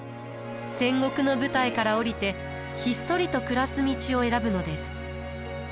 戦国の舞台から下りてひっそりと暮らす道を選ぶのです。